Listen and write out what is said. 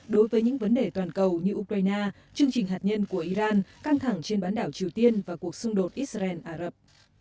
đối với những vấn đề toàn cầu như ukraine chương trình hạt nhân của iran căng thẳng trên bán đảo triều tiên và cuộc xung đột israel ả rập